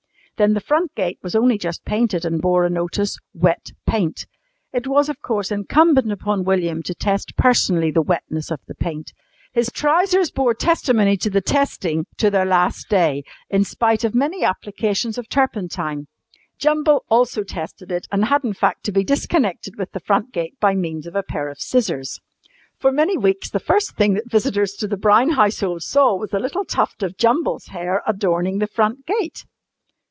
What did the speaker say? Then the front gate was only just painted and bore a notice "Wet Paint." It was, of course, incumbent upon William to test personally the wetness of the paint. His trousers bore testimony to the testing to their last day, in spite of many applications of turpentine. Jumble also tested it, and had in fact to be disconnected with the front gate by means of a pair of scissors. For many weeks the first thing that visitors to the Brown household saw was a little tuft of Jumble's hair adorning the front gate.